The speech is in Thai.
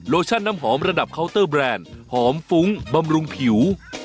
รับสมัยสำหรับเคาเตอร์แบรนด์หอมฟุ้งบำรุงผิว